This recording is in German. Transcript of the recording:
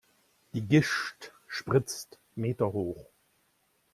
Die Gischt spritzt meterhoch.